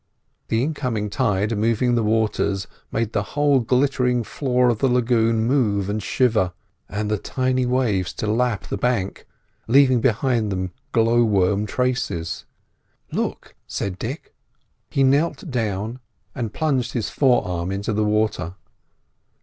The incoming tide moving the waters made the whole glittering floor of the lagoon move and shiver, and the tiny waves to lap the bank, leaving behind them glow worm traces. "Look!" said Dick. He knelt down and plunged his forearm into the water.